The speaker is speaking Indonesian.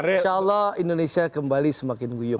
insya allah indonesia kembali semakin guyup